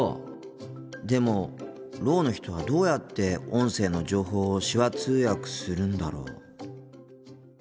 でもろうの人はどうやって音声の情報を手話通訳するんだろう。